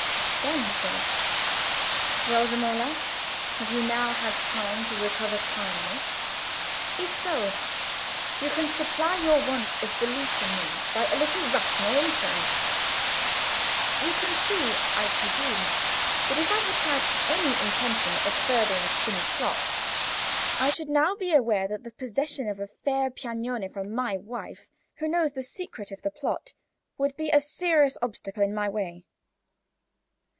Then he said— "Well, Romola, have you now had time to recover calmness? If so, you can supply your want of belief in me by a little rational inference: you can see, I presume, that if I had had any intention of furthering Spini's plot, I should now be aware that the possession of a fair Piagnone for my wife, who knows the secret of the plot, would be a serious obstacle in my way."